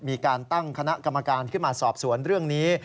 มีการตั้งคณะกรรมการขึ้นมาสอบสวนเรื่องนี้